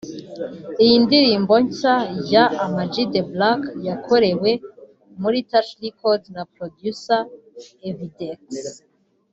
Iyi ndirimbo nshya ya Ama G The Black yakorewe muri Touch Record na Producer Evidecks